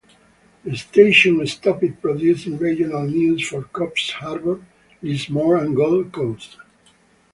The station stopped producing regional news for Coffs Harbour, Lismore and Gold Coast.